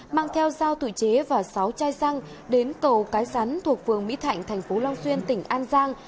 mang theo dao tự chế và sáu chai xăng đến cầu cái sắn thuộc phường mỹ thạnh thành phố long xuyên tỉnh an giang